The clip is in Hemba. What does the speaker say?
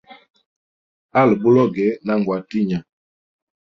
Ali buloge na ngwa tinya.